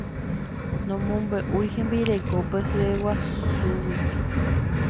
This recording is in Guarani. Nomombe'úi hembirekópe hyeguasúgui.